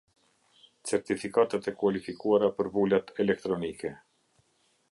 Certifikatat e kualifikuara për vulat elektronike.